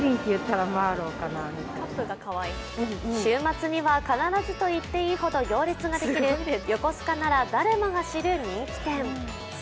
週末には必ずといっていいほど行列ができる、横須賀なら誰でも知る人気店。